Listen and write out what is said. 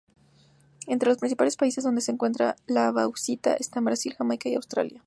Entre los principales países donde se extrae la bauxita están Brasil, Jamaica, Australia.